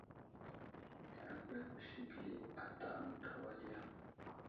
Aməpəreŋ musi gəli ata ənta wal yaŋ.